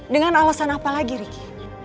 dengan alasan apa lagi riki